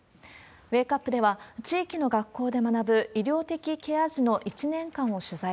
ウェークアップでは、地域の学校で学ぶ医療的ケア児の１年間を取材。